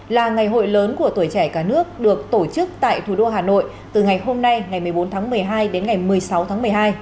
là ngày hội lớn của tuổi trẻ cả nước được tổ chức tại thủ đô hà nội từ ngày hôm nay ngày một mươi bốn tháng một mươi hai đến ngày một mươi sáu tháng một mươi hai